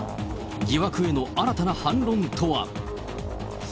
疑惑への新たな反論とは。